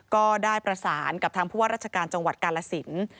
ก็ได้ประสานกับทางผู้ว่าราชการจังหวัดกาลสิน